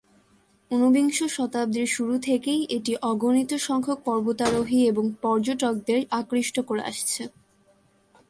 ঊনবিংশ শতাব্দীর শুরু থেকেই এটি অগণিত সংখ্যক পর্বতারোহী এবং পর্যটকদের আকৃষ্ট করে আসছে।